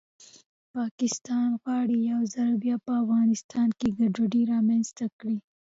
پاکستان غواړي یو ځل بیا په افغانستان کې ګډوډي رامنځته کړي